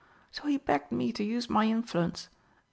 So he begged me to use my influence.